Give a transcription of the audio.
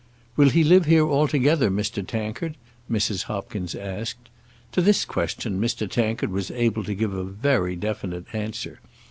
"Will he live here altogether, Mr. Tankard?" Mrs. Hopkins asked. To this question Mr. Tankard was able to give a very definite answer.